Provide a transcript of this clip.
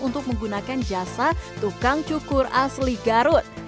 untuk menggunakan jasa tukang cukur asli garut